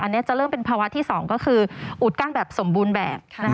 อันนี้จะเริ่มเป็นภาวะที่๒ก็คืออุดกั้นแบบสมบูรณ์แบบ